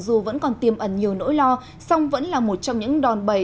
dù vẫn còn tiêm ẩn nhiều nỗi lo song vẫn là một trong những đòn bẩy